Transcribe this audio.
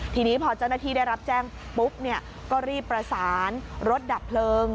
ทีนี้พอเจ้าหน้าที่ได้รับแจ้งปุ๊บก็รีบประสานรถดับเพลิง